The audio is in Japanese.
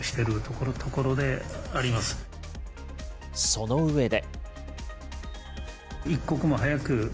その上で。